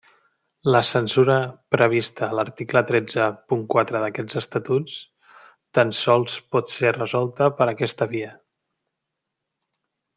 La censura prevista a l'article tretze punt quatre d'aquests Estatuts, tan sols pot ser resolta per aquesta via.